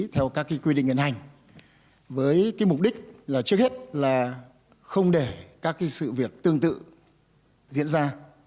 theo các quy định hiện hành với mục đích là trước hết là không để các sự việc tương tự diễn ra